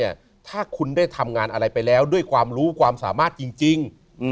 ถ้าคุณได้ทำงานอะไรไปแล้วด้วยความรู้ความสามารถจริง